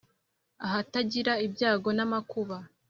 Ahatagira ibyago namakuba